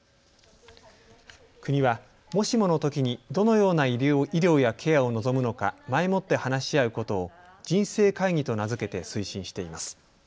国は、もしものときにどのような医療やケアを望むのか前もって話し合うことを人生会議と名付けて推進しています。